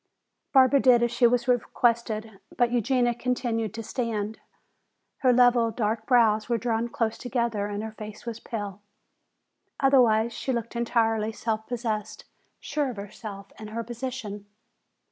Barbara did as she was requested. But Eugenia continued to stand. Her level, dark brows were drawn close together and her face was pale. Otherwise she looked entirely self possessed, sure of herself and her position.